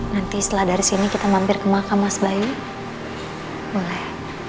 nanti setelah dari sini kita mampir ke mahkamah sebayu boleh